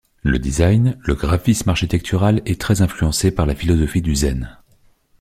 Le design, le graphisme architectural est très influencé par la philosophie du zen.